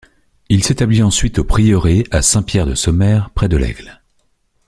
Il s'établit ensuite au prieuré à Saint-Pierre-de-Sommaire, près de l'Aigle.